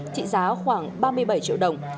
trị giá khoảng ba mươi bảy triệu đồng